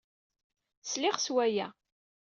Sliɣ s waya.